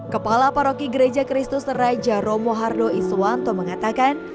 kepala paroki gereja kristus raja romo hardo iswanto mengatakan